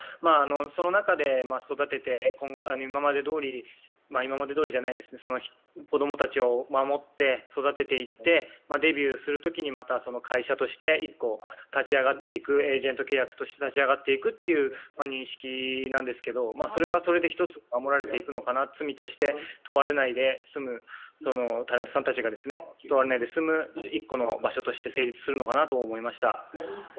その中で、育てて子供たちを守って育てていってデビューするときに、また会社として一個立ち上がっていく、エージェント契約として立ち上がっていくという認識なんですけど、それはそれで一つ守られていくのかな罪としてタレントさんたちが問われないで済む一個の場所として成立するのかなと思いました